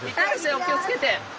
お気をつけて。